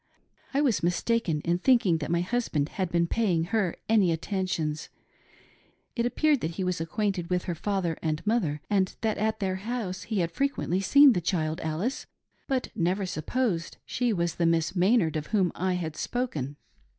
I was mistaken in thinking that my husband had been paying her any attentions. It appeared that he was acquainted with her father and mother, and that at their house he had frequently seen the child Alice, but never supposed she was the Miss Maynard of whom I had spoken.